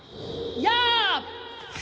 やあ！